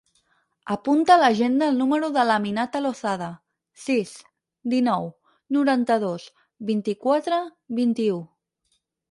Apunta a l'agenda el número de l'Aminata Lozada: sis, dinou, noranta-dos, vint-i-quatre, vint-i-u.